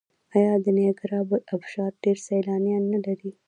آیا د نیاګرا ابشار ډیر سیلانیان نلري؟